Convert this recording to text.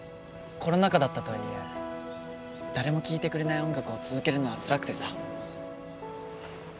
コロナ禍だったとはいえ誰も聴いてくれない音楽を続けるのはつらくてさ。